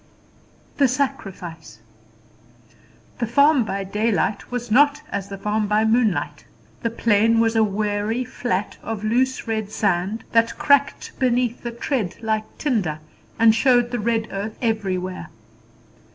The Sacrifice. The farm by daylight was not as the farm by moonlight. The plain was a weary flat of loose red sand, sparsely covered by dry karoo bushes, that cracked beneath the tread like tinder, and showed the red earth everywhere.